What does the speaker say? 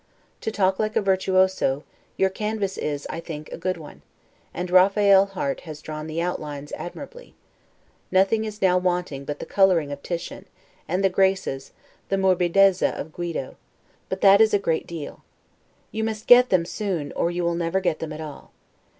To talk like a virtuoso, your canvas is, I think, a good one, and RAPHAEL HARTE has drawn the outlines admirably; nothing is now wanting but the coloring of Titian, and the Graces, the 'morbidezza' of Guido; but that is a great deal. You must get them soon, or you will never get them at all.